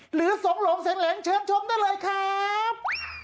สงหลงเสียงเหล็งเชิญชมได้เลยครับ